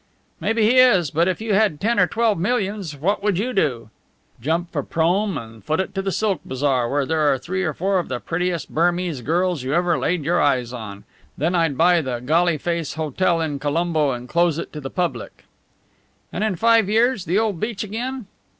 "Maybe he is. But if you had ten or twelve millions, what would you do?" "Jump for Prome and foot it to the silk bazaar, where there are three or four of the prettiest Burmese girls you ever laid your eyes on. Then I'd buy the Galle Face Hotel in Colombo and close it to the public." "And in five years the old beach again!"